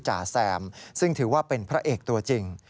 จ่าแซมซึ่งถือว่าเป็นพระเอกตัวจริง